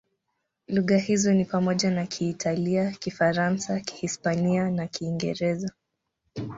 Lugha hizo ni pamoja na Kiitalia, Kifaransa, Kihispania na Kiingereza.